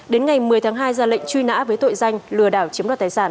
đến ngày một mươi tháng hai ra lệnh truy nã với tội danh lừa đảo chiếm đoạt tài sản